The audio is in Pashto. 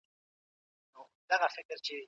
ایا لوی صادروونکي ممیز اخلي؟